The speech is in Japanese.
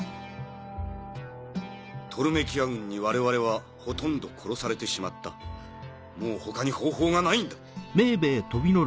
トルメキア軍に我々はほとんど殺されてしまったもう他に方法がないんだ。